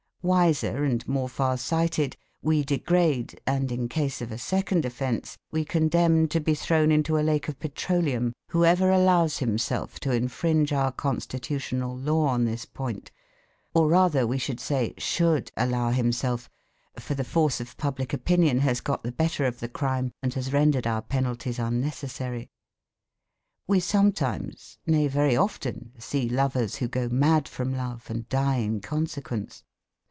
Wiser and more far sighted, we degrade, and in case of a second offence we condemn to be thrown into a lake of petroleum, whoever allows himself to infringe our constitutional law on this point, or rather we should say, should allow himself, for the force of public opinion has got the better of the crime and has rendered our penalties unnecessary. We sometimes, nay very often, see lovers who go mad from love and die in consequence.